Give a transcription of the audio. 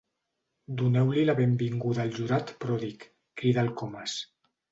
Doneu-li la benvinguda al jurat pròdig —crida el Comas.